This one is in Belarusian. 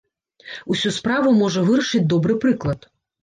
Усю справу можа вырашыць добры прыклад.